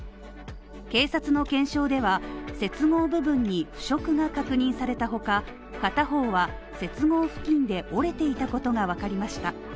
警察の検証では、接合部分に腐食が確認されたほか、片方は接合付近で折れていたことがわかりました。